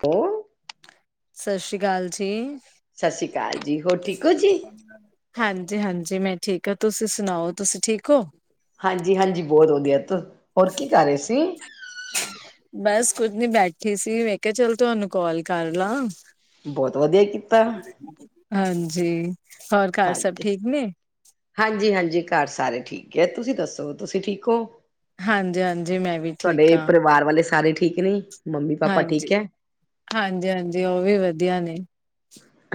ਕੋਂਣ? ਸਤਿ ਸ਼੍ਰੀ ਅਕਾਲ ਜੀ। ਸਤਿ ਸ਼੍ਰੀ ਅਕਾਲ ਜੀ, ਹੋਰ ਠੀਕ ਹੋ ਜੀ। ਹਾਂਜੀ ਹਾਂਜੀ, ਮੈਂ ਠੀਕ ਹਾਂ ਤੁਸੀਂ ਸੁਣਾਓ, ਤੁਸੀਂ ਠੀਕ ਹੋ? ਹਾਂਜੀ ਹਾਂਜੀ, ਬਹੁਤ ਵਧੀਆ, ਹੋਰ ਕੀ ਕਰ ਰਹੇ ਸੀ? ਬਸ ਕੁੱਝ ਨੀ ਬੈਠੀ ਸੀ, ਮੈਂ ਕਿਹਾ ਆ ਚੱਲ ਤੁਹਾਨੂੰ ਕੋਲ ਕਰ ਲਾ। ਬਹੁਤ ਵਧੀਆ ਕੀਤਾ। ਹਾਂਜੀ, ਹੋਰ ਘਰ ਸਭ ਹਾਂਜੀ ਠੀਕ ਨੇਂ। ਹਾਂਜੀ ਹਾਂਜੀ, ਘਰ ਸਾਰੇ ਠੀਕ ਐ, ਤੁਸੀਂ ਦੱਸੋ ਤੁਸੀਂ ਠੀਕ ਹੋ। ਹਾਂਜੀ-ਹਾਂਜੀ ਮੈਂ ਵੀ ਠੀਕ ਤੁਹਾਡੇ ਹਾਂ ਪਰਿਵਾਰ ਵਾਲੇ ਸਾਰੇ ਠੀਕ ਨੇ? ਮੰਮੀ ਪਾਪਾ ਹਾਂਜੀ ਠੀਕ ਹੈ ਹਾਂਜੀ ਹਾਂਜੀ, ਉਹ ਵੀ ਵਧੀਆ ਨੇ।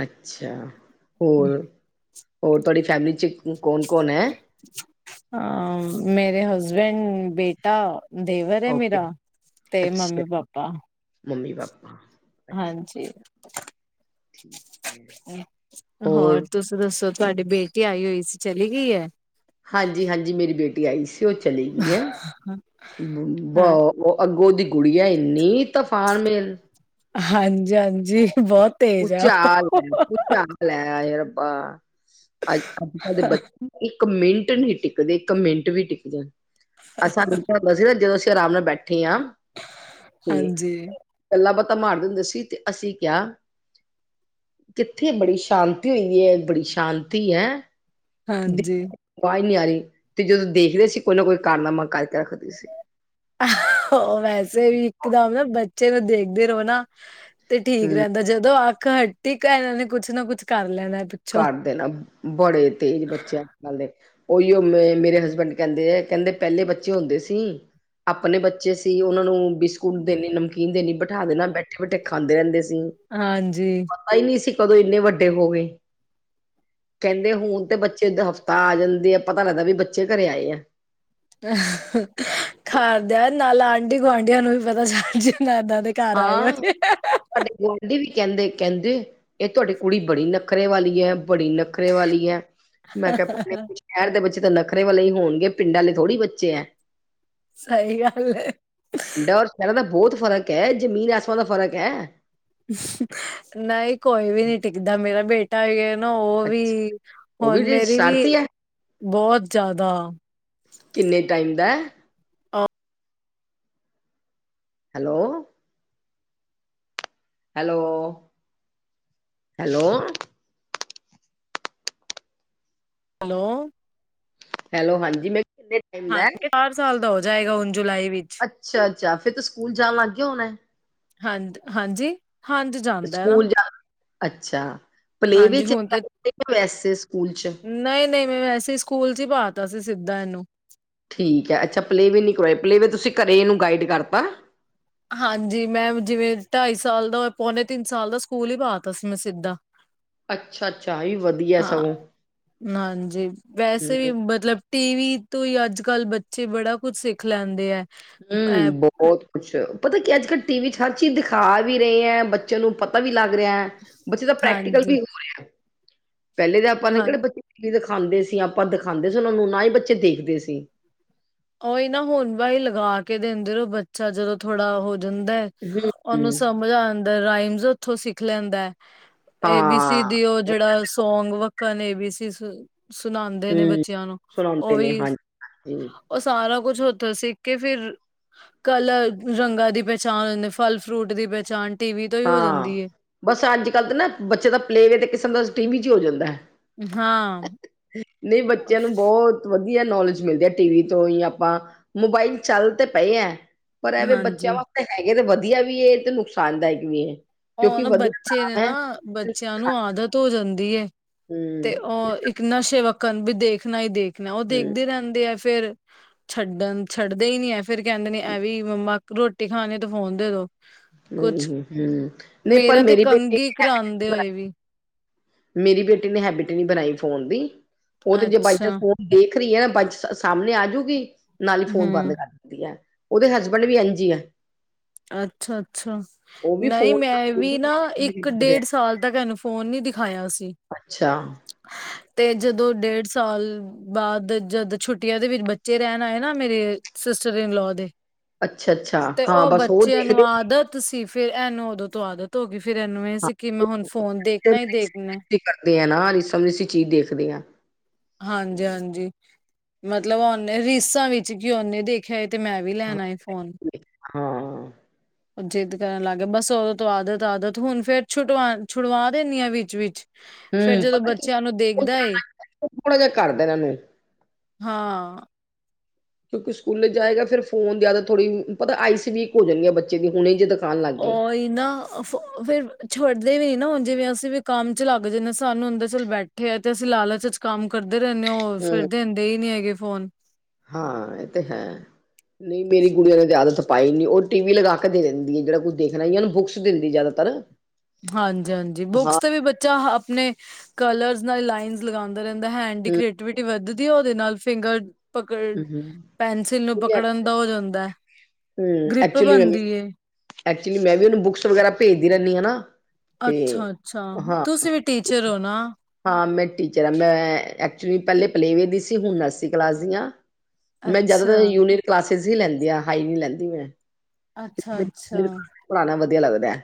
ਅੱਛਾ ਹੋਰ, ਹੋਰ ਤੁਹਾਡੀ ਫੈਮਲੀ ਚ ਕੌਣ ਕੌਣ ਐ? ਆ ਮੇਰੇ ਹਸਬੈਂਡ ਬੇਟਾ ਦੇਵਰ ਐ ਓਕੇ ਮੇਰਾ, ਤੇ ਮੰਮੀ ਅੱਛਾ ਪਾਪਾ। Mummy papa. ਹਾਂਜੀ, ਠੀਕ ਹੈ ਹੋਰ ਤੁਸੀ ਦੱਸੋ, ਤੁਹਾਡੀ ਬੇਟੀ ਆਈ ਹੋਈ ਸੀ, ਚਲੀ ਗਈ ਹੈ। ਹਾਂਜੀ ਹਾਂਜੀ ਮੇਰੀ ਬੇਟੀ ਆਈ ਸੀ, ਔ ਚਲੇ ਗਈ ਹੈ। ਹਾਂ ਅੱਗੋਂ ਦੀ ਗੁੜੀਆ, ਇੰਨੀ ਤਫਾਨ ਮੇਲ। ਹਾਂਜੀ ਹਾਂਜੀ ਬਹੁਤ ਤੇਜ ਆ ਉਹ। ਚੱਕ ਲੈ ਆਹੇ ਰੱਬਾ ਅੱਜ ਕੱਲ੍ਹ ਦੇ ਬੱਚੇ ਇੱਕ ਮਿੰਟ ਨਹੀਂ ਟਿਕਦੇ ਇੱਕ ਮਿੰਟ ਵੀ ਟਿਕ ਜਾਣ। ਆ ਸਾਨੂੰ ਬਸ ਸੀ ਨਾ ਜਦੋਂ ਅਸੀਂ ਆਰਾਮ ਨਾਲ ਬੈਠੇ ਆ। ਹਾਂਜੀ। ਗੱਲਾਂ ਬਾਤਾਂ ਮਾਰਦੇ ਹੁੰਦੇ ਸੀ, ਤੇ ਅਸੀਂ ਕਿਹਾ ਕਿੱਥੇ ਬੜੀ ਸ਼ਾਂਤੀ ਹੋ ਐ, ਬੜੀ ਸ਼ਾਂਤੀ ਹੈ। ਹਾਂਜੀ। ਵਾਜ ਨੀ ਆ ਰਹੀ ਤੇ ਜਦੋਂ ਦੇਖਦੇ ਸੀ ਕੋਈ ਨਾ ਕੋਈ ਕਾਰਨਾਮਾ ਕਰਕੇ ਰੱਖਦੀ ਸੀ। ਉਹ ਵੈਸੇ ਵੀ ਇੱਕਦਮ ਨਾ ਬੱਚੇ ਨੂੰ ਦੇਖਦੇ ਰਹੋ ਨਾ ਤੇ ਠੀਕ ਹਮ ਰਹਿੰਦਾ, ਜਦੋਂ ਅੱਖ ਹੱਟੀ ਕੇ ਇਹਨਾਂ ਨੇ ਕੁਛ ਨਾ ਕੁੱਛ ਕਰ ਲੈਣਾ। ਪਿੱਛੋਂ। ਕਰ ਦੇ ਨਾ, ਬੜੇ ਤੇਜ਼ ਬੱਚੇ ਅੱਜ ਕੱਲ ਦੇ। ਉਹੀਓ ਆ ਮੇਰੇ ਹਸਬੈਂਡ ਕਹਿੰਦੇ ਆ, ਕਹਿੰਦੇ ਪਹਿਲੇ ਬੱਚੇ ਹੁੰਦੇ ਸੀ। ਆਪਣੇ ਬੱਚੇ ਸੀ, ਉਹਨਾਂ ਨੂੰ ਬਿਸਕੁਟ ਦੇਣੀ ਨਮਕੀਨ ਦੇਣੀ ਬਿਠਾ ਦੇਣਾ, ਬੈਠੇ ਬੈਠੇ ਖਾਂਦੇ ਰਹਿੰਦੇ ਸੀ। ਹਾਂਜੀ। ਪਤਾ ਹੀ ਨਹੀਂ ਸੀ, ਕਦੋਂ ਇੰਨੇ ਵੱਡੇ ਹੋ ਗਏ। ਕਹਿੰਦੇ ਹੁਣ ਤੇ ਬੱਚੇ ਦਾ ਹਫ਼ਤਾ ਆ ਜਾਂਦੇ ਆ, ਪਤਾ ਲੱਗਦਾ ਵੀ ਬੱਚੇ ਘਰੇ ਆਏ ਆ। ਘਰਦਿਆਂ ਨਾਲ ਆਂਢੀ ਗੁਆਂਢੀਆਂ ਨੂੰ ਵੀ ਪਤਾ ਚੱਲ ਜੇ ਦਾਦਾ ਦੇ ਘਰ ਆਏ ਹਾਂ ਹੋਏ ਆ। ਸਾਡੇ ਗੁਆਂਢੀ ਵੀ ਕਹਿੰਦੇ, ਕਹਿੰਦੇ ਇਹ ਤੁਹਾਡੀ ਕੁੜੀ ਬੜੀ ਨਖ਼ਰੇ ਵਾਲੀ ਹੈ ਬੜੀ ਨਖਰੇ ਵਾਲੀ ਹੈ ਮੈਂ ਕਿਹਾ ਭੈਣੇ ਪੁਛ ਨਾ ਸ਼ਹਿਰ ਦੇ ਬੱਚੇ ਤਾਂ ਨਖ਼ਰੇ ਵਾਲੇ ਹੀ ਹੋਣਗੇ, ਪਿੰਡਾਂ ਆਲੇ ਥੋੜ੍ਹੀ ਬੱਚੇ ਐ। ਸਹੀ ਗੱਲ ਹੈ। ਪਿੰਡਾ ਔਰ ਸ਼ਹਿਰਾਂ ਦਾ ਬਹੁਤ ਫ਼ਰਕ ਹੈ, ਜ਼ਮੀਨ ਅਸਮਾਨ ਦਾ ਫਰਕ ਐ। ਨਹੀਂ ਕੋਈ ਵੀ ਨਹੀਂ ਟਿਕਦਾ, ਮੇਰਾ ਬੇਟਾ ਆ ਨਾ ਉਹ ਵੀ, ਅੱਛਾ ਉਹ ਹੁਣ ਜੇ ਮੇਰੀ ਵੀ ਸ਼ਰਾਰਤੀ ਹੈ ਬਹੁਤ ਜ਼ਿਆਦਾ। ਕਿੰਨੇ ਟਾਈਮ ਦਾ ਏ। Hello. Hello- hello hello hello, ਹਾਂਜੀ ਮੈਂ ਕਿਨੇ ਹਾਂਜੀ, ਚਾਰ ਸਾਲ ਦਾ ਹੋ ਜਾਏਗਾ ਹੁਣ ਜੁਲਾਈ ਵਿੱਚ ਅੱਛਾ ਅੱਛਾ, ਫੇਰ ਤਾਂ ਸਕੂਲ ਜਾਣ ਲੱਗ ਗਿਆ ਹੋਣਾ। ਹਾਂ ਹਾਂਜੀ ਹਾਂਜੀ ਜਾਂਦਾ ਹੈ ਨਾ। ਸਕੂਲ ਜਾ ਅੱਛਾ ਪਲੇ ਵੇ ਹਾਂਜੀ ਵੈਸੇ ਸਕੂਲ ਚ ਨਹੀਂ ਨਹੀਂ, ਮੈਂ ਵੈਸੇ ਸਕੂਲ ਚ ਹੀ ਪਾਤਾ ਸੀ ਸਿੱਧਾ ਇਹਨੂੰ। ਠੀਕ ਹੈ ਅੱਛਾ ਪਲੇਵੇ ਨਹੀਂ ਕਰਵਾਏ ਪਲੇਅਵੇ ਤੁਸੀਂ ਘਰ ਨੂੰ ਗਾਈਡ ਕਰਤਾ। ਹਾਂਜੀ ਮੈਂ ਜਿਵੇਂ ਢਾਈ ਸਾਲ ਦਾ ਪੌਨ ਤਿੰਨ ਸਾਲ ਦਾ ਸਕੂਲ ਹੀ ਪਾ ਤਾ ਸੀ ਮੈਂ ਸਿੱਧਾ ਅੱਛਾ ਅੱਛਾ ਇਹ ਵੀ [inaudible] ਵਧੀਆ ਹਾਂ ਸਗੋਂ ਹਾਂਜੀ ਵੈਸੇ ਹਮ, ਵੀ ਮਤਲਬ ਟੀਵੀ ਤੋਂ ਹੀ ਅੱਜ ਕੱਲ ਬੱਚੇ ਬੜਾ ਕੁਝ ਸਿੱਖ ਲੈਂਦੇ ਐ। ਐ ਹੂੰ ਬਹੁਤ ਕੁਛ ਪਤਾ ਕੀ ਅੱਜ ਕੱਲ ਟੀ ਵੀ 'ਚ ਹਰ ਚੀਜ਼ ਦਿਖਾ ਵੀ ਰਹੇ ਹੈ ਬੱਚਿਆਂ ਨੂੰ ਪਤਾ ਵੀ ਲੱਗ ਰਿਹਾ ਹੈ। ਬੱਚੇ ਦਾ ਪ੍ਰੈਕਟੀਕਲ ਹਾਂਜੀ, ਵੀ ਹੋਇਆ। ਪਹਿਲੇ ਤਾਂ ਆਪਾਂ ਨੇ ਹਾਂ ਕਿਹੜੇ ਬੱਚੇ ਵੀ ਦਿਖਾਉਂਦੇ ਸੀ, ਆਪਾਂ ਦਿਖਾਉਂਦੇ ਸੀ, ਉਹ ਨੂੰ ਨਾ ਹੀ ਬੱਚੇ ਦੇਖਦੇ ਸੀ। ਓਹੀ ਨਾ ਹੁਣ ਬਾਈ ਲਗਾ ਕੇ ਦਿੰਦੇ ਰਹੋ ਬੱਚਾ ਜਦੋਂ ਥੋੜਾ ਹੋ ਜਾਂਦਾ। ਹੂੰ ਉਹਨੂੰ ਸਮਝ ਆਉਂਦਾ ਰਾਈਮਸ ਉੱਥੋਂ ਸਿੱਖ ਲੈਂਦਾ। ਏ ਬੀ ਸੀ ਹਾਂ ਡੀ ਉਹ ਜਿਹੜਾ ਸੌਂਗ ਵਕਨ ਏ ਬੀ ਸੀ ਸੁਣਾਉਂਦੇ ਨੇ ਬੱਚਿਆਂ ਨੂੰ ਉਹ ਵੀ ਹਾਂਜੀ ਉਹ ਸਾਰਾ ਕੁੱਛ ਉੱਥੇ ਸਿੱਖ ਕੇ ਫਿਰ ਕਲ ਰੰਗਾਂ ਦੀ ਪਹਿਚਾਣ ਹੁੰਦੀ ਫਲ ਫਰੂਟ ਦੀ ਪਹਿਚਾਣ ਟੀ ਵੀ ਤੋਂ ਹੀ ਹੋ ਹਾਂ। ਜਾਂਦੀ ਏ। ਬਸ ਅੱਜ ਕੱਲ ਤਾਂ ਨਾ ਬੱਚੇ ਦਾ ਪਲੇਵੇ ਤੇ ਕਿਸਮ ਦਾ ਟੀ ਵੀ ਚ ਹੋ ਜਾਂਦਾ। ਹਾਂ ਨਹੀਂ ਬੱਚਿਆਂ ਨੂੰ ਬਹੁਤ ਵਧੀਆ ਨੋਲੇਜ ਮਿਲਦੀ ਆ ਟੀ ਵੀ ਤੋਂ ਹੀ ਆਪਾਂ ਮੋਬਾਈਲ ਚੱਲ ਤੇ ਪਏ ਐ। ਪਰ ਐਵੇਂ ਬੱਚਿਆਂ ਹਾਂਜੀ ਵਾਸਤੇ ਹੈਗੇ ਤੇ ਵਧੀਆ ਵੀ ਤੇ ਨੁਕਸਾਨਦਾਇਕ ਵੀ ਏ। ਕਿਉਂਕਿ ਹੋਣ ਵਧੀਆ ਬੱਚੇ ਨੇ ਕਾਮ ਹੈ ਨਾ ਬੱਚਿਆਂ ਨੂੰ ਆਦਤ ਹੋ ਜਾਂਦੀ ਹੈ ਤੇ ਹੂੰ ਉਹ ਇੱਕ ਨਸ਼ੇ ਵੱਕਨ ਵੀ ਦੇਖਨਾ ਹੀ ਦੇਖ ਉਹ ਹੂੰ ਦੇਖਦੇ ਰਹਿੰਦੇ ਆ ਫੇਰ ਛੱਡਣ ਛੱਡਦੇ ਹੀ ਨੀ ਹੈ ਫੇਰ ਕਹਿੰਦੇ ਨੇ ਐਵੇਂ ਮੰਮਾ ਰੋਟੀ ਖਾਣੀ ਤੇ ਫੋਨ ਦੇ ਦੋ। ਕੁਛ ਹੂੰ-ਹੂੰ, ਹੂੰ ਨਹੀਂ ਪਰ ਮੇਰਾ ਤੇ ਮੇਰੀ ਬੇਟੀ ਕੰਘੀ ਕਰਾਉਂਦੇ ਐਵੇਂ ਹੋਏ ਵੀ [inaudible] ਮੇਰੀ ਬੇਟੀ ਨੇ ਹੈਬਿਟ ਨੀ ਬਣਾਈ ਫੋਨ ਦੀ ਉਹ ਤੇ ਜੇ ਬਾਈ ਚਾਂਸ ਅੱਛਾ, ਫੋਨ ਦੇਖ ਰਹੀ ਹੈ ਨਾ ਬਜ ਸਾਹਮਣੇ ਆਜੂਗੀ ਨਾਲ ਹੀ ਫੋਨ ਬੰਦ ਹੂੰ, ਕਰ ਉਹਦੇ ਹਸਬੈਂਡ ਵੀ ਇੰਝ ਆ। ਅੱਛਾ-ਅੱਛਾ ਉਹ ਵੀ ਨਈ ਫੋਨ ਮੈਂ ਵੀ ਨਾ ਇੱਕ ਡੇਢ ਸਾਲ ਤੱਕ ਇਹਨੂੰ ਫੋਨ ਨੀ ਦਿਖਾਇਆ ਸੀ। ਅੱਛਾ [inaudible] ਤੇ ਜਦੋਂ ਡੇਢ ਸਾਲ ਬਾਦ ਜਦ ਛੁੱਟੀਆਂ ਦੇ ਵਿੱਚ ਬੱਚੇ ਰਹਿਣ ਆਏ ਨਾ ਮੇਰੇ ਸਿਸਟਰ ਇਨ ਲੋ ਦੇ। ਅੱਛਾ-ਅੱਛਾ ਹਾਂ ਬਸ ਉਹ ਚਿਆਂ ਨੂੰ ਦੇਖਦੇ ਹੋ ਆਦਤ ਸੀ ਫਿਰ ਇਹਨੂੰ ਉਦੋਂ ਤੋਂ ਆਦਤ ਹੋ ਗੀ ਫਿਰ ਇਹਨੂੰ ਇਹ ਹਾਂ ਸੀ ਕਿ ਮੈਂ ਹੁਣ ਫੋਨ ਦੇਖਣਾ ਹੀ ਦੇਖਣਾ। ਕਰਦੇ ਆ ਨਾ [unintelligible] ਅਸੀਂ ਚੀਜ਼ ਦੇਖਦੇ ਹਾਂ। ਹਾਂਜੀ-ਹਾਂਜੀ ਮਤਲਬ ਓਨੇ ਰਿਸਾਂ ਵਿੱਚ ਕੀ ਉਹਨੇ ਦੇਖ ਖਿਆ ਏ ਤੇ ਮੈਂ ਵੀ ਲੈਨਾ ਏ ਫੋਨ। ਹਾਂ ਉਹ ਜਿੱਦ ਕਰਨ ਲੱਗ ਗਿਆ ਬਸ ਉਦੋਂ ਤੋਂ ਆਦਤ-ਆਦਤ ਹੁਣ ਫੇਰ ਛੁਟਵਾ ਛੁਡਵਾ ਦਿੰਦੀ ਹਾਂ ਵਿੱਚ-ਵਿਚ। ਫੇਰ ਹੂੰ ਜਦੋਂ ਪਤਾ ਕੀ ਬੱਚਿਆਂ ਨੂੰ ਦੇਖਦਾ ਏ- ਥੋੜਾ ਜਿਹਾ ਕਰਦਾ ਇਹਨਾਂ ਨੂੰ ਹਾਂ ਕਿਉਂਕਿ ਸਕੂਲੇ ਜਾਏਗਾ ਫਿਰ ਫੋਨ ਜ਼ਿਆਦਾ ਥੋੜ੍ਹੀ ਪਤਾ ਆਈਸ ਵੀਕ ਹੋ ਜਾਣਗ ਆ ਬੱਚੇ ਦੀ ਹੁਣੇ ਜਿੱਦ ਤੱਕ ਉਹ ਹੀ ਨਾ ਫੇਰ ਛੱਡਦੇ ਵੀ ਨੀ ਨਾ ਹੁਣ ਜਿਵੇਂ ਅਸੀਂ ਵੀ ਕੰਮ ਚ ਲੱਗ ਜਾਂਦੇ ਸਾਨੂੰ ਹੁੰਦਾ ਚਲ ਬੈਠ ਠੇ ਆ ਤੇ ਅਸੀਂ ਲਾਲਚ ਚ ਕੰਮ ਕਰਦੇ ਰਹਿੰਦੇ ਹ ਉਹ ਫਿਰਦੇ ਹੁੰਦੇ ਹੀ ਨੀ ਹੈਗੇ ਫੋਨ। ਹਾਂ ਇਹ ਤੇ ਹੈ। ਨਈ ਮੇਰੀ ਗੁੜੀਆਂ ਨੇ ਆਦਤ ਪਾਈ ਨੀ ਉਹ ਟੀ ਵੀ ਲਗਾ ਕੇ ਦੇ ਦਿੰਦੀ ਹੈ ਜਿਹੜਾ ਕੁਛ ਦੇਖਣਾ ਹੀ ਯਾ ਉਨੂੰ ਬੁੱਕਸ ਦਿੰਦੀ ਜਿਆਦਾਤਰ ਹਾਂਜੀ- ਹਾਂਜੀ, ਬੁੱਕਸ ਤੇ ਵੀ ਬੱਚਾ ਆਪਣੇ ਕਲਰਸ ਨਾਲ ਲਾਈਨ ਲਗਾਉਂਦਾ ਰਹਿੰਦਾ, ਹੈਂਡ ਦੀ ਕ੍ਰੀਏਟੀਿਵਿਟੀ ਵੱਧਦੀ ਹੈ, ਉਹਦੇ ਨਾਲ ਫਿੰਗਰ ਪਕੜ ਹੂੰ ਹੂੰ, ਪੈਨਸਿਲ ਨੂੰ, ਪਕੜਨ ਦਾ ਹੋ ਜਾਂਦਾ। ਹਮ ਗ੍ਰਿਪ ਐਕਚੁਲੀ ਮੈ ਵੀ, ਬਣਦੀ ਏ ਐਕਚੁਲੀ ਮੈਂ ਵੀ ਉਹਨੂੰ ਬੁੱਕਸ ਵਗੈਰਾ ਭੇਜਦੀ ਰਹਿੰਨੀ ਆ ਨਾ। ਤੇ ਅੱਛਾ-ਅੱਛਾ ਹਾਂ ਤੁਸੀਂ ਵੀ ਟੀਚਰ ਹੋ ਨਾ। ਹਾਂ ਮੈਂ ਟੀਚਰ ਹਾਂ ਮੈਂ ਐਕਚੁਲੀ ਪਹਿਲੇ ਪਲੇ ਵੇ ਦੀ ਸੀ ਹੁਣ ਨਰਸਰੀ ਕਲਾਸ ਦੀ ਆ। ਮੈਂ ਅੱਛਾ। ਜਿਆਦਾਤਰ ਯੂਨੀਅਨ ਕਲਾਸਿਸ ਹੀ ਲੈਂਦੀ ਆ ਹਾਈ ਨੀ ਲੈਂਦੀ ਮੈਂ। ਅੱਛਾ-ਅੱਛਾ, [inaudible] ਪੜਾਨਾ ਵਧੀਆ ਲੱਗਦਾ।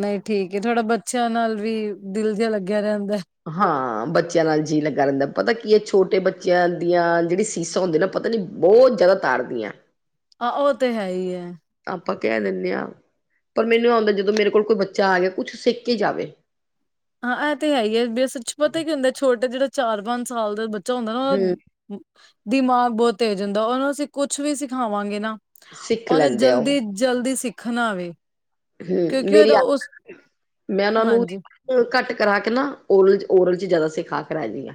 ਨਈ ਠੀਕ ਥੋੜਾ ਬੱਚਿਆਂ ਨਾਲ ਵੀ ਦਿਲ ਜਿਹਾ ਲੱਗਿਆ ਰਹਿੰਦਾ। ਹਾਂ ਬੱਚਿਆਂ ਨਾਲ ਜੀ ਲੱਗਾ ਰਹਿੰਦਾ ਪਤਾ ਕੀ ਛੋਟੇ ਬੱਚਿਆਂ ਦੀਆਂ ਜਿਹੜੀ ਸੀਸਾਂ ਹੁੰਦੀ ਨਾ ਪਤਾ ਨੀ ਬੌਤ ਜਾਦਾ ਤਾਰਦੀਆਂ। ਆ ਉਹ ਤੇ ਹੈ ਹੀ ਹੈ। ਤਾਂ ਆਪਾਂ ਕਹਿ ਦਿੰਦੇ ਹਾ, ਪਰ ਮੈਨੂੰ ਇਹ ਹੁੰਦਾ ਜਦੋਂ ਮੇਰੇ ਕੋਲ ਕੋਈ ਬੱਚਾ ਆ ਜੇ ਕੁਛ ਸਿੱਖ ਕੇ ਹੀ ਜਾਵੇ। ਹਾਂ, ਇਹ ਤੇ ਹੈ ਹੀ ਹੈ, ਅਸਲ ਪਤਾ ਕੀ ਹੁੰਦਾ, ਛੋਟਾ ਜਿਹੜਾ ਚਾਰ ਪੰਜ ਸਾਲ ਦਾ ਬੱਚਾ ਹੁੰਦਾ ਨਾ ਹਮ ਉਹਦਾ ਦਿਮਾਗ ਬਹੁਤ ਤੇਜ਼ ਹੁੰਦਾ, ਉਹਨੂੰ ਅਸੀਂ ਕੁਛ ਵੀ ਸਿਖਾਵਾਂਗੇ ਨਾ। ਸਿੱਖ ਉਹਨੇ, ਲੈਂਦੇ ਆ ਉਹ ਜਲਦੀ -ਜਲਦੀ ਸਿੱਖਣਾ ਵੇ ਹਮ ਕਿਉਂਕਿ ਮੇਰੀ ਉਹਦਾ ਉਸ ਮੈਂ, ਉਹਨਾਂ ਨੂੰ ਹਾਂਜੀ ਘੱਟ ਕਰਾ ਕੇ ਨਾ, ਓਰਲ, ਓਰਲ ਚ ਜ਼ਿਆਦਾ ਸਿਖਾ ਕੇ ਰਾਜੀ ਆ।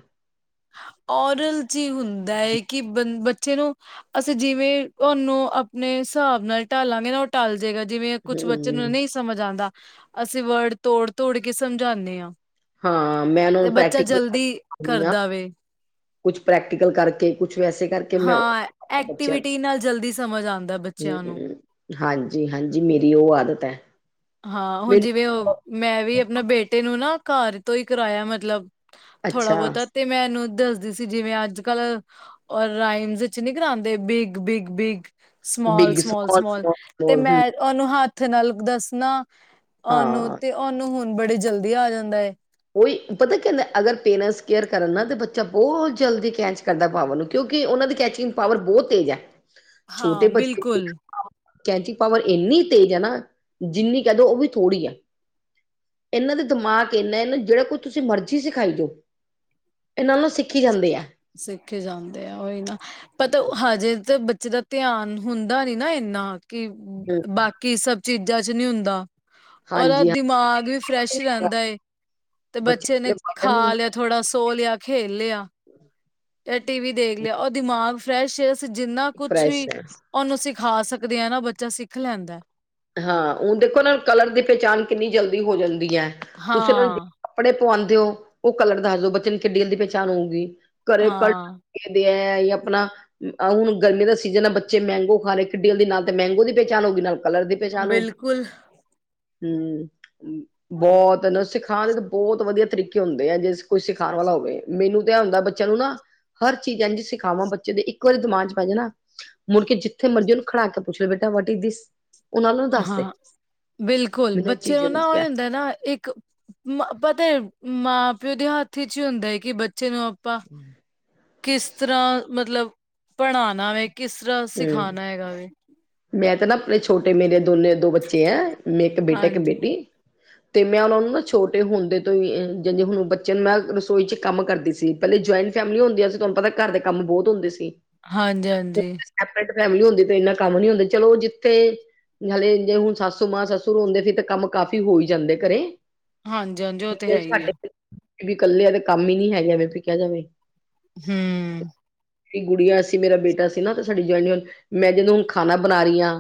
ਔਰਲ ਚ, ਹੀ ਹੁੰਦਾ ਹੈ ਕਿ ਬ ਬੱਚੇ ਨੂੰ ਅਸੀਂ ਜਿਵੇਂ, ਉਹਨੂੰ ਆਪਣੇ ਹਿਸਾਬ ਨਾਲ ਢਾਲਾਂਗੇ ਨਾ ਢਲ ਜੇਗਾ, ਜਿਵੇਂ ਕੁੱਛ ਬੱਚੇ ਨੂੰ ਹੂੰ ਨਹੀਂ ਸਮਝ ਆਉਂਦਾ, ਅਸੀਂ ਵਰਡ ਤੋੜ- ਤੋੜ ਕੇ ਸਮਝਾਉਂਦੇ ਹਾਂ। ਹਾਂ, ਮੈਂ ਉਹਨੂੰ ਪ੍ਰੈਕਟੀਕਲ ਕਰ ਕੇ ਸਿੱਖਾਂਦੀ ਹਾਂ। ਦਾ ਵੇ। ਕੁਛ ਪ੍ਰੈਕਟੀਕਲ ਕਰਕੇ, ਕੁਛ ਵੈਸੇ ਕਰਕੇ ਮੈਂ ਹਾਂ, ਬੱਚਿਆਂ ਐਕਟੀਵਿਟੀ ਨਾਲ, ਜਲਦੀ ਸਮਝ ਆਉਂਦਾ ਬੱਚਿਆਂ ਨੂੰ। ਹਾਂਜੀ -ਹਾਂਜੀ, ਮੇਰੀ ਉਹ ਆਦਤ ਹੈ। ਹਾਂ, ਹੁਣ ਜਿਵੇਂ ਮੈਨੂੰ ਉਹ ਮੈਂ ਵੀ ਆਪਣੇ ਬੇਟੇ ਨੂੰ ਨਾ, ਘਰ ਤੋਂ ਹੀ ਕਰਾਇਆ ਮਤਲਬ ਥੋੜਾ ਅੱਛਾ ਬਹੁਤਾ ਤੇ ਮੈਂ, ਇਹਨੂੰ ਦੱਸਦੀ ਸੀ, ਜਿਵੇਂ ਅੱਜ- ਕੱਲ ਔਰ ਰਾਈਮਸ ਚ ਨੀ ਕਰਾਂਦੇ, big- big, big. Small -small, small ਤੇ ਮੈਂ ਉਹਨੂੰ ਹੱਥ ਨਾਲ ਦੱਸਣਾ, ਉਹਨੂੰ ਹਾਂ ਤੇ, ਉਹਨੂੰ ਹੁਣ ਬੜੀ ਜਲਦੀ ਆ ਜਾਂਦਾ। ਉਹੀ ਪਤਾ ਕੀ ਹੁੰਦਾ, ਅਗਰ ਪੇਰੈਂਟਸ ਕੇਅਰ ਕਰਨ ਨਾ ਤੇ ਬੱਚਾ ਬਹੁਤ ਜਲਦੀ ਕੈਚ ਕਰਦਾ ਪਾਵਰ ਨੂੰ ਕਿਉਂਕਿ ਉਹਨਾਂ ਦੀ, ਕੈਚਿੰਗ ਪਾਵਰ ਬਹੁਤ ਤੇਜ਼ ਹੈ, ਛੋਟੇ ਹਾਂ ਬੱਚੇ ਦੀ ਬਿਲਕੁਲ। ਨਾ ਕੈਂਚੀ, ਪਾਵਰ ਇੰਨੀ ਤੇਜ਼ ਹੈ ਨਾ, ਜਿੰਨੀ ਕਹਿ ਦੋ ਉਹ ਵੀ ਥੋੜ੍ਹੀ ਹੈ। ਇਹਨਾਂ ਦੇ ਦਿਮਾਗ ਇਹਨਾ ਹੈ ਨਾ ਜਿਹੜਾ ਕੁਝ ਤੁਸੀਂ ਮਰਜ਼ੀ ਸਿਖਾਈ ਜਾਓ, ਇਹਨਾਂ ਨੂੰ ਸਿੱਖ ਸਿੱਖ ਈ ਜਾਂਦੇ ਆ, ਉਹੀ ਨਾ ਪਤਾ ਹਜੇ ਤਾਂ, ਬੱਚੇ ਦਾ ਧਿਆਨ ਹੁੰਦਾ ਨੀ, ਨਾ ਇੰਨਾ ਕਿ ਹੂੰ, ਬਾਕੀ, ਸਭ ਚੀਜ਼ਾਂ ਚ ਨਹੀਂ ਹੁੰਦਾ। ਉਹਦਾ ਹਾਂਜੀ ਦਿਮਾਗ ਵੀ ਫਰੈਸ਼ ਹਾਂ ਰਹਿੰਦਾ ਏ, ਤੇ ਬੱਚੇ ਨੇ ਖਾ ਲਿਆ। ਥੋੜਾ ਸੌ ਲਿਆ, ਖੇਲ ਲਿਆ। ਜਾਂ ਟੀਵੀ ਦੇਖ ਲਿਆ, ਉਹ ਦਿਮਾਗ ਫਰੈਸ਼ ਅਸੀਂ ਜਿੰਨਾ ਕੁਛ ਫਰੈਸ਼ ਵੀ ਹੈ ਉਹਨੂੰ ਸਿਖਾ ਸਕਦੇ ਆ ਨਾ, ਬੱਚਾ ਸਿੱਖ ਲੈਂਦਾ। ਹਾਂ ਹੁਣ ਦੇਖੋ, ਇਹਨਾਂ ਨੂੰ ਕਲਰ ਦੀ ਪਹਿਚਾਣ ਕਿੰਨੀ ਜਲਦੀ ਹੋ ਜਾਂਦੀ ਹੈ। ਤੁਸੀਂ ਹਾਂ ਕੱਪੜੇ ਪਵਾਉਂਦੇ ਹੋ, ਉਹ ਕਲਰ ਦੱਸ ਦਿਓ, ਬੱਚੇ ਨੂੰ ਕਿੱਡੀ ਜਲਦੀ ਦੀ ਪਹਿਚਾਣ ਹੋਊਗੀ, ਘਰੇ ਹਾਂ। ਦੇ ਆ ਆਪਣਾ ਹ ਹੁਣ ਗਰਮੀ ਦਾ ਸੀਜਨ ਆ, ਬੱਚੇ ਮੈੰਗੋ ਖਾ ਰਹੇ, ਕਿੱਡੀ ਜਲਦੀ ਨਾਲ ਤੇ ਮੈੰਗੋ ਦੀ ਪਹਿਚਾਣ ਹੋ ਗਈ, ਨਾਲ ਕਲਰ ਦੀ [unintelligible] ਬਿਲਕੁਲ। ਬਹੁਤ, ਸਿਖਾਉਣ ਦੇ ਤਾਂ, ਬਹੁਤ ਵਧੀਆ ਤਰੀਕੇ ਹੁੰਦੇ ਆ, ਜੇ ਕੋਈ ਸਿਖਾਉਣ ਵਾਲਾ ਹੋਵੇ। ਮੈਨੂੰ ਤਾਂ ਐ ਹੁੰਦਾ, ਬੱਚਿਆਂ ਨੂੰ ਨਾ ਹਰ ਚੀਜ਼ ਇੰਝ ਸਿਖਾਵਾਂ, ਬੱਚੇ ਦੇ ਇੱਕ ਵਾਰੀ ਦਿਮਾਗ ਚ ਪੈ ਜਾਏ ਨਾ। ਮੁੜਕੇ, ਜਿੱਥੇ ਮਰਜ਼ੀ ਉਹਨੂੰ ਖੜਾ ਕੇ ਪੁੱਛ ਲਉ ਬੇਟਾ, ਵਟ ਇਜ ਦਿਸ? ਉਹ ਨਾਲ ਉਹਨੂੰ ਦੱਸ ਦੇ ਹਾਂ, ਬਿਲਕੁਲ ਮੈਨੂੰ ਇਹ ਬੱਚੇ ਚੀਜ਼ ਨੂੰ ਨਾ ਹੁੰਦੀ ਆ ਹੁੰਦਾ ਨਾ ਇੱਕ ਮ ਪਤਾ ਏ ਮਾਂ ਪਿਓ ਦੇ ਹੱਥ ਵਿਚ ਹੀ ਹੁੰਦਾ ਹੈ ਕਿ ਬੱਚੇ ਨੂੰ ਆਪਾਂ ਕਿਸ ਤਰ੍ਹਾਂ ਮਤਲਬ, ਪੜ੍ਹਾਣਾ ਵੇ, ਕਿਸ ਤਰ੍ਹਾਂ ਹੂੰ, ਸਿਖਾਣਾ ਹੈਗਾ ਵੇ ਮੈਂ ਤਾਂ ਨਾ, ਆਪਣੇ ਛੋਟੇ, ਮੇਰੇ ਦੋਨੇ ਦੋ ਬੱਚੇ ਹੈ, ਮੈਂ ਇੱਕ ਬੇਟਾ ਇੱਕ ਹਾਂਜੀ। ਬੇਟੀ। [inaudible] ਤੇ ਮੈਂ, ਉਹਨਾਂ ਨੂੰ ਨਾ ਛੋਟੇ ਹੁੰਦੇ, ਤੋਂ ਹੀ ਜਾਂ ਜੇ ਹੁਣ ਬੱਚ ਨੂੰ, ਮੈ ਰਸੋਈ 'ਚ ਕੰਮ ਕਰਦੀ ਸੀ। ਪਹਿਲੇ ਜੁਆਇੰਟ ਫੈਮਲੀਆਂ ਹੁੰਦੀ ਸੀ, ਤੁਹਾਨੂੰ ਪਤਾ ਘਰ ਦੇ ਕੰਮ ਬਹੁਤ ਹੁੰਦੇ ਸੀ। ਹਾਂਜੀ- ਹਾਂਜੀ। ਟ, ਫੈਮਿਲੀ ਹੁੰਦੀ ਤੇ ਇਨਾ ਕੰਮ ਨੀ ਹੁੰਦਾ, ਚਲੋ ਜਿੱਥੇ ਹਲੇ ਜੇ ਹੁਣ ਸੱਸੂ ਮਾਂ ਸੱਸੂ ਹੋਦੇ ਸੀ ਤਾਂ ਕੰਮ ਕਾਫੀ ਹੋਈ ਜਾਂਦੇ ਘਰੇ ਹਾਂਜੀ ਹਾਂਜੀ ਉਹ ਤੇ ਹੈ ਹੀ। ਵੀ ਇਕੱਲੇ ਆ ਤੇ ਕੰਮ ਹੀ ਨੀ ਹੈਗੇ ਕਿਹਾ ਜਾਵੇ। ਹੂੰ, ਗੁੜੀਆਂ ਸੀ ਮੇਰਾ ਬੇਟਾ ਸੀ ਨਾ ਤੇ ਸਾਡੀ ਜਆਇਨੀ ਮੈਂ ਜਦੋਂ ਹੁਣ ਖਾਣਾ ਬਣਾ ਰਹੀ ਹਾਂ।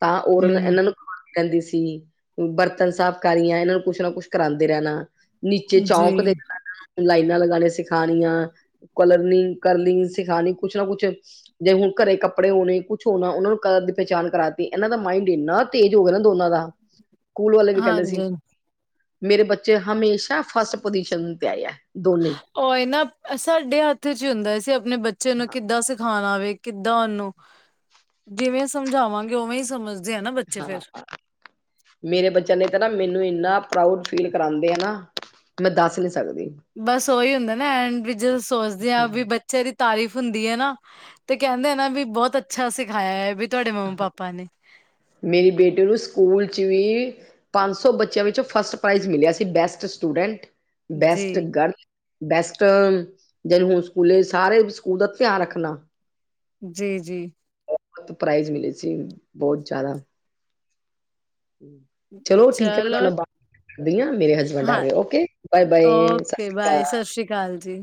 ਤਾਂ ਔਰ ਇਹਨਾਂ ਨੂੰ ਕਹਿੰਦੀ ਸੀ ਬਰਤਨ ਸਾਫ਼ ਕਰੀਆਂ ਇਹਨਾਂ ਨੂੰ ਕੁਛ ਨਾ ਕੁਛ ਕਰਾਂਦੇ ਰਹਿਣਾ ਨੀਚੇ ਜੀ ਚੌਂਕ ਦੇ ਲਾਈਨਾਂ ਲਗਾਣੇ ਸਿਖਾਣੀਆਂ। ਕਲਰਨੀ ਕਰਨੀ ਸਿਖਾਣੀ ਕੁਛ ਨਾ ਕੁਛ ਜੇ ਹੁਣ ਘਰੇ ਕੱਪੜੇ ਹੋਣੇ ਕੁਛ ਹੋਣਾ, ਉਹਨਾਂ ਨੂੰ ਕ ਦੀ ਪਹਿਚਾਣ ਕਰਾਤੀ ਇਹਨਾਂ ਦਾ ਮਾਇੰਡ ਇੰਨਾ ਤੇਜ਼ ਹੋ ਗਿਆ ਨਾ ਦੋਨਾਂ ਦਾ। [inaudible] ਸਕੂਲ ਵਾਲੇ ਵੀ ਕਹਿੰਦੇ ਸੀ, ਹਾਂਜੀ। ਮੇਰੇ ਬੱਚੇ ਹਮੇਸ਼ਾ ਫਸਟ ਪੁਜੀਸ਼ਨ ਤੇ ਆਏ ਹੈ। ਉਹ ਇਹ ਨਾ ਸਾਡੇ ਹੱਥ ਚ ਹੀ ਹੁੰਦਾ ਸੀ, ਆਪਣੇ ਬੱਚੇ ਨੂੰ ਹਾਂ ਕਿੱਦਾਂ ਸਿਖਾ ਖਾਣਾ ਵਵੇ ਕਿੱਦਾਂ ਉਹਨੂੰ ਜਿਵੇਂ ਸਮਝਾਵਾਂਗੇ, ਉਵੇਂ ਹੀ ਸਮਝਦੇ ਆ ਨਾ ਬੱਚੇ ਹਾਂ, ਫੇਰ ਮੇਰੇ ਬੱਚਿਆਂ ਨੇ ਤਾਂ ਨਾ ਮੈਨੂੰ ਇੰਨਾ ਪ੍ਰਊਡ ਫੀਲ ਕਰਾਦੇ ਆ, ਨਾ ਮੈਂ ਦੱਸ ਨੀ ਸਕਦੀ। ਬਸ ਉਹੀ ਹੁੰਦਾ ਨਾ ਐਂਡ ਵੀ ਜਦੋਂ ਸੋਚਦੇ ਹਾਂ ਵੀ ਬੱਚ, ਬਚੇ ਦੀ ਤਾਰੀਫ਼ ਹੁੰਦੀ ਹੈ, ਨਾ ਤੇ ਕਹਿੰਦੇ ਨਾ ਵੀ ਬਹੁਤ ਅੱਛਾ ਸਿਖਾਇਆ ਹੈ ਵੀ। ਤੁਹਾਡੇ ਮੰਮਾ ਪਾਪਾ ਨੇ ਮੇਰੀ ਬੇਟੀ ਨੂੰ ਸਕੂਲ 'ਚ ਵੀ, ਪੰਜ ਸੌ ਬੱਚਿਆਂ ਵਿੱਚੋਂ ਫਸਟ ਪ੍ਰਾਈਜ਼ ਮਿਲਿਆ ਸੀ, ਬੈਸਟ ਸਟੂਡੈਂਟ ਜੀ ਬੈਸਟ ਗਰਲ, ਬੈਸਟਨ ਜਿਨੂੰ ਹੁਣ ਸਕੂਲੇ ਸਾਰੇ ਸਕੂਲ ਦਾ ਧਿਆਨ ਰੱਖਣਾ। ਜੀ ਜੀ, ਬ ਪ੍ਰਾਈਜ਼ ਮਿਲੀ ਸੀ, ਬਹੁਤ ਜ਼ਿਆਦਾ ਚਲੋ ਠੀਕ ਹੈ, ਮੈਂ ਤੁਹਾਡਾ ਨਾਲ ਬਾਦ ਗੱਲ ਕਰਦੀ ਹਾਂ ਮੇਰੇ ਹਸਬੈਂ ਹਾਂ ਵਡ ਓਕੇ, ਬਾਏ ਬਾਏ, ਸਤਿ ਓਕੇ ਸ਼੍ਰੀ ਬਾਏ ਅਕਾਲ। ਸਤਿ ਸ਼੍ਰੀ ਅਕਾਲ ਜੀ